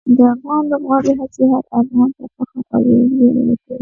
د افغان لوبغاړو هڅې هر افغان ته د فخر او ویاړ ځای ورکوي.